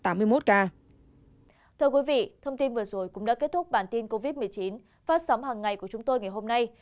thưa quý vị thông tin vừa rồi cũng đã kết thúc bản tin covid một mươi chín phát sóng hàng ngày của chúng tôi ngày hôm nay